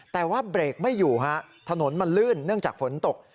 แต่ว่าเบรกไม่อยู่ฮะถนนมันลื่นเนื่องจากฝนตก